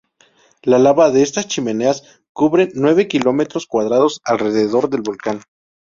La lava de estas chimeneas cubre nueve kilómetros cuadrados alrededor del volcán.